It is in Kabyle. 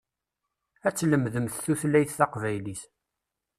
Ad tlemdemt tutlayt taqbaylit.